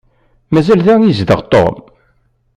Mazal da i yezdeɣ Tom?